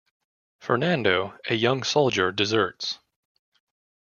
Fernando, a young soldier, deserts.